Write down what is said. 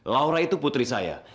laura itu putri saya